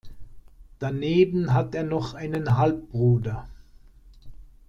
Daneben hat er noch einen Halbbruder.